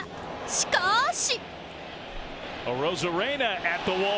しかーし。